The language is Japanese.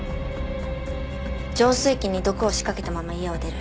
浄水器に毒を仕掛けたまま家を出る。